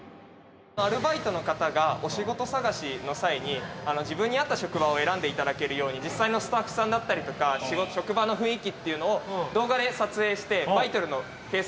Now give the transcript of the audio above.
アルバイトの方がお仕事探しの際に自分に合った職場を選んでいただけるように実際のスタッフさんだったりとか職場の雰囲気っていうのを動画で撮影して。